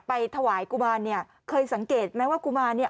ไปถวายกุมารเนี่ยเคยสังเกตไหมว่ากุมารเนี่ย